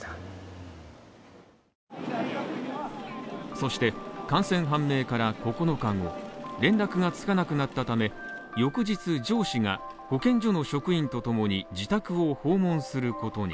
そして感染判明から９日後、連絡がつかなくなったため翌日、上司が保健所の職員とともに自宅を訪問することに。